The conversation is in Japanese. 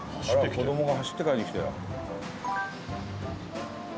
「子どもが走って買いに来たよ」